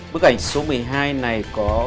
bức ảnh số một mươi hai này có